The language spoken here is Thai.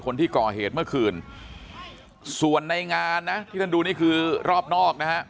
คนที่ก่อเหตุเมื่อคืนส่วนในงานนะที่ท่านดูนี่คือรอบนอกนะฮะ